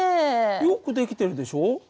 よく出来てるでしょ？